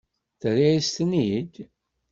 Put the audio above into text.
Terra-yasen-ten-id?